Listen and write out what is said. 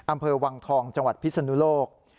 อำเภอวังทองจังหวัดพิศนุโลก